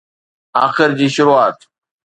آخر جي شروعات؟